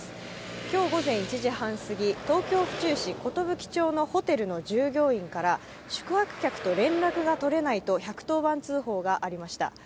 今日午前１時半過ぎ、東京・府中市寿町のホテルの従業員から宿泊客と連絡が取れない１１０番通報がありました。